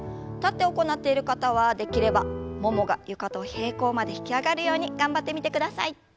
立って行っている方はできればももが床と平行まで引き上がるように頑張ってみてください。